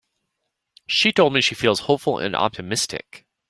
She told me she feels hopeful and optimistic.